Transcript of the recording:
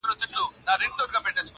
تېرول يې نرۍ ژبه پر برېتونو.!